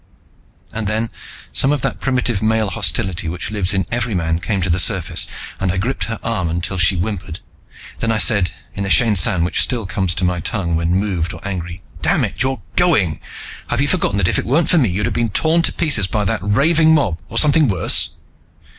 And then some of that primitive male hostility which lives in every man came to the surface, and I gripped her arm until she whimpered. Then I said, in the Shainsan which still comes to my tongue when moved or angry, "Damn it, you're going. Have you forgotten that if it weren't for me you'd have been torn to pieces by that raving mob, or something worse?"